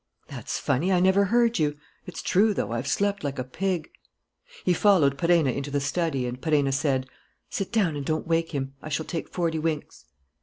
"That's funny; I never heard you. It's true, though, I've slept like a pig." He followed Perenna into the study, and Perenna said: "Sit down and don't wake him. I shall take forty winks."